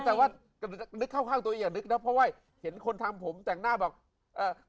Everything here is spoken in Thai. แต่ว่านึกนึกข้ามตัวเองนึกนะเพราะว่าเห็นคนทำผมจังหน้าแบบเออ